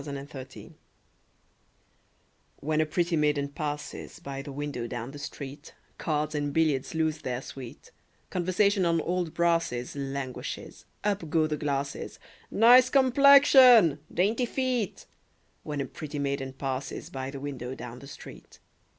Y Z At the Club When a pretty maiden passes By the window down the street, Cards and billiards lose their sweet; Conversation on old brasses Languishes; up go the glasses: "Nice complexion!" "Dainty feet!" When a pretty maiden passes By the window down the street.